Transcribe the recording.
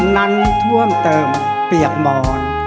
นั้นท่วมเติมเปียกหมอน